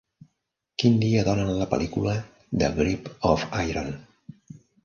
Quin dia donen la pel·lícula "The grip of iron"